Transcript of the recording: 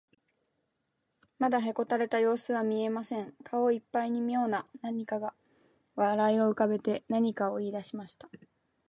まだへこたれたようすは見えません。顔いっぱいにみょうなにが笑いをうかべて、何かいいだしました。